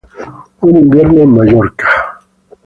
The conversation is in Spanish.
Un invierno en Mallorca".